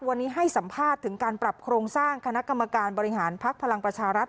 วันนี้ให้สัมภาษณ์ถึงการปรับโครงสร้างคณะกรรมการบริหารภักดิ์พลังประชารัฐ